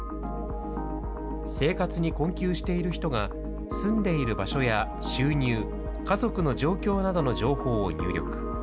生活に困窮している人が、住んでいる場所や収入、家族の状況などの情報を入力。